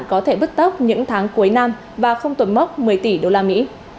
có thể bước tốc những tháng cuối năm và không tổn mốc một mươi tỷ usd